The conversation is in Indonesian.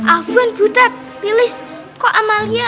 afwan buta pilih kok amalia